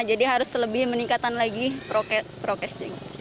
jadi harus lebih meningkatkan lagi prokes prokesnya